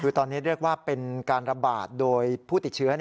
คือตอนนี้เรียกว่าเป็นการระบาดโดยผู้ติดเชื้อ